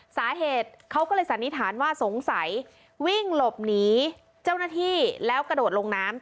สาเหตุเขาก็เลยสันนิษฐานว่าสงสัยวิ่งหลบหนีเจ้าหน้าที่แล้วกระโดดลงน้ำ